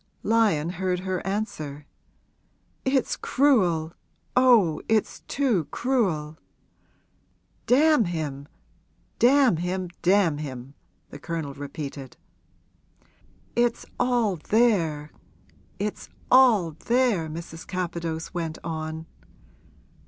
Lyon heard her answer. 'It's cruel oh, it's too cruel!' 'Damn him damn him damn him!' the Colonel repeated. 'It's all there it's all there!' Mrs. Capadose went on.